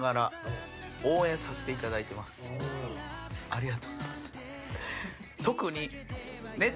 ありがとうございます。